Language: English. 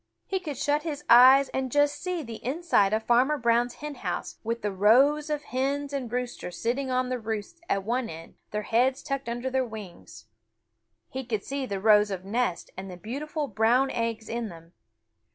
He could shut his eyes and just see the inside of Farmer Brown's hen house with the rows of hens and roosters sitting on the roosts at one end, their heads tucked under their wings. He could see the rows of nests and the beautiful brown eggs in them.